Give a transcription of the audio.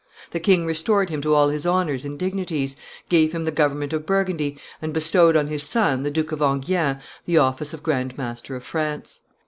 The king restored him to all his honors and dignities, gave him the government of Burgundy, and bestowed on his son, the Duke of Enghien, the office of Grand Master of France.